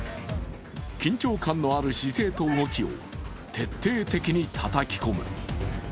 緊張感のある姿勢と動きを徹底的にたたき込む。